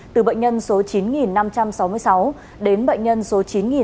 từ bệnh nhân số chín năm trăm sáu mươi sáu đến bệnh nhân số chín sáu trăm ba mươi năm